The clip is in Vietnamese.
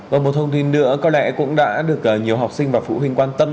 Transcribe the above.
và một thông tin nữa có lẽ cũng đã được nhiều học sinh và phụ huynh quan tâm